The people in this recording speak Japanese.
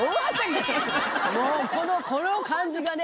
もうこのこの感じがね。